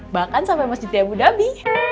bahkan sampai masjid di abu dhabi